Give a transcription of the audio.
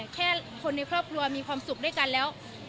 แค่คนในครอบครัวมีความสุขด้วยกันแล้ว